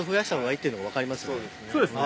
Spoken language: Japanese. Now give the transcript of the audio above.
そうですね